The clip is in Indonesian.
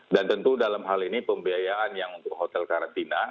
dan tentu dalam hal ini pembiayaan yang untuk hotel karantina